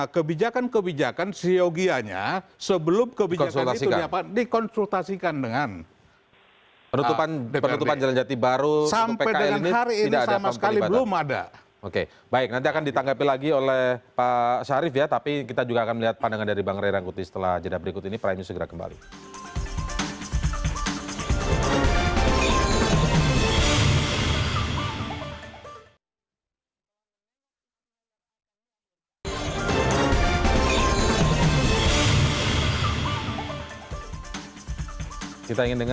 kebijakan kebijakan siogianya sebelum kebijakan itu dikonsultasikan dengan dprd